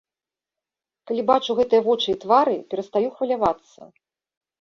Калі бачу гэтыя вочы і твары, перастаю хвалявацца.